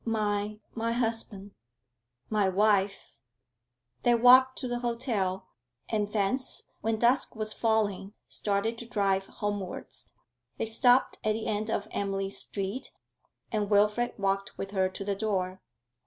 My my husband?' 'My wife!' They walked to the hotel, and thence, when dusk was falling, started to drive homewards. They stopped at the end of Emily's street, and Wilfrid walked with her to the door.